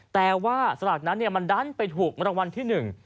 แต่ว่าสลากนั้นมันดันไปถูกรางวัลที่หนึ่ง